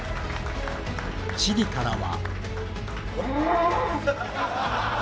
チリからは。